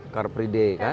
car pre day kan